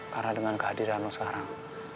karena dengan kehadiran lo sekarang